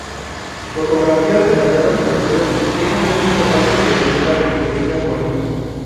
Fotografías detalladas del suelo dejan ver un mosaico de grietas y pequeñas colinas.